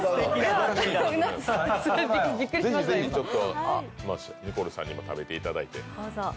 ぜひぜひ、ニコルさんにも食べていただいて。